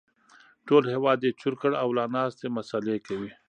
ټول هېواد يې چور کړ او لا ناست دی مسالې کوي